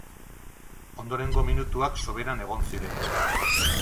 Ondorengo minutuak soberan egon ziren.